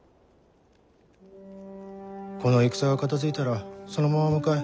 この戦が片づいたらそのまま向かえ。